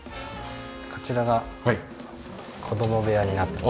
こちらが子供部屋になってます。